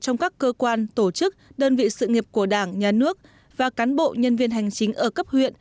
trong các cơ quan tổ chức đơn vị sự nghiệp của đảng nhà nước và cán bộ nhân viên hành chính ở cấp huyện